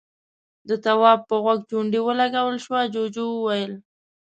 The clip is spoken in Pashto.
د تواب په غوږ چونډۍ ولګول شوه، جُوجُو وويل: